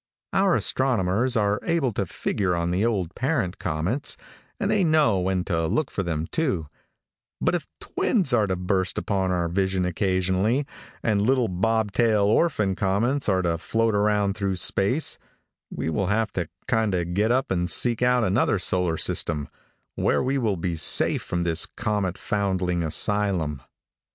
Our astronomers are able to figure on the old parent comets, and they know when to look for them, too; but if twins are to burst upon our vision occasionally, and little bob tail orphan comets are to float around through space, we will have to kind of get up and seek out another solar system, where we will be safe from this comet foundling asylum.